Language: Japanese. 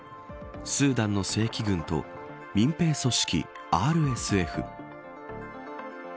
スーダンの正規軍と民兵組織ＲＳＦ。